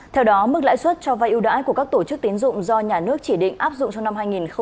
theo đó mức lãi suất cho vay ưu đãi của các tổ chức tín dụng do nhà nước chỉ định áp dụng trong năm hai nghìn một mươi chín